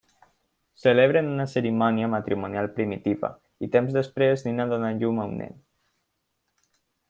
Celebren una cerimònia matrimonial primitiva, i temps després Nina dóna a llum a un nen.